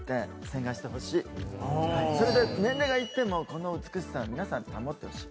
それで年齢が行ってもこの美しさを皆さん保ってほしい。